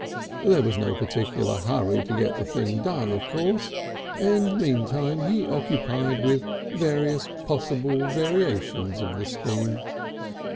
There was no particular hurry to get the thing done, of course, and meanwhile he occupied his mind with possible variations of the scheme....